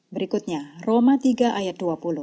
berikutnya roma tiga ayat dua puluh